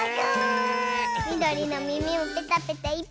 みどりのみみもペタペタいっぱい！